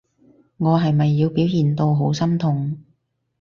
我係咪要表現到好心痛？